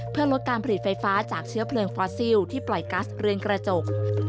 เพื่อลดการผลิตไฟฟ้าจากเชื้อเพลิงฟอสซิลที่ปล่อยกัสเรือนกระจก